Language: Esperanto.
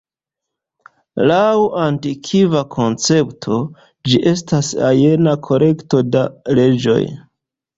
Laŭ antikva koncepto, ĝi estas ajna kolekto da leĝoj.